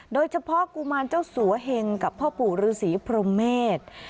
โดยเฉพาะกุมารเจ้าสัวเฮงกับพ่อปู่ฤษีโพรเมธ